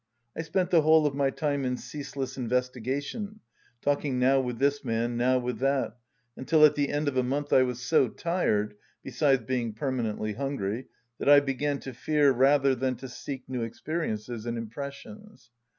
I spent the whole of my time in ceaseless investigation, talking now with this man, now with that, until at the end of a month I was so tired (besides being permanently hungry) that I began to fear rather than to seek new experiences and impressions.